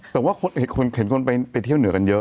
แต่ว่าเห็นคนไปเที่ยวเหนือกันเยอะ